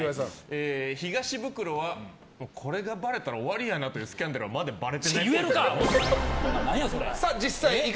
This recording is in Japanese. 東ブクロはこれがばれたら終わりやなというスキャンダルはまだばれてないっぽい。